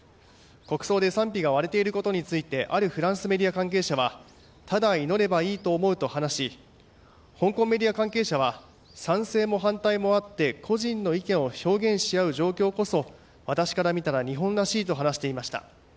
国葬で賛否が割れていることについてあるフランスメディア関係者はただ祈ればいいと思うと話し香港メディア関係者は賛成も反対もあって個人の意見を表現し合う状況こそ私から見たら日本らしいと話していました。